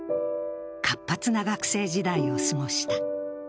活発な学生時代を過ごした。